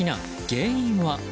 原因は？